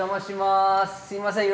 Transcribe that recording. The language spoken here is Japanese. すいません